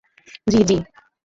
জি, জি।